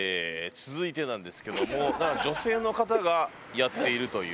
続いてなんですけども女性の方がやっているという。